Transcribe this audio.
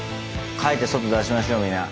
書いて外出しましょうみんな。